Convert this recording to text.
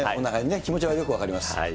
気持ちはよく分かります。